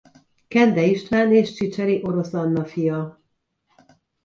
Kende István és csicseri Orosz Anna fia.